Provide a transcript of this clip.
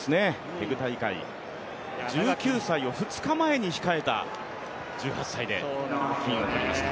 テグ大会、１９歳を２日前に控えた１８歳で金を取りました。